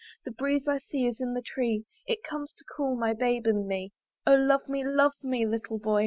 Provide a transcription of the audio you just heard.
The breeze I see is in the tree; It comes to cool my babe and me. Oh! love me, love me, little boy!